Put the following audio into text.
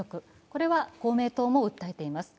これは公明党も訴えています。